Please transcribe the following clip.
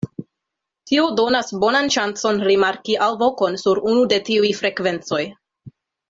Tio donas bonan ŝancon rimarki alvokon sur unu de tiuj frekvencoj.